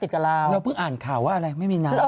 เราปั่านอ่านข่าวว่าอะไรไม่มีนาด